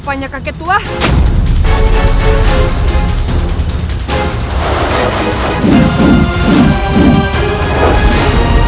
saya tidak akan seperti itu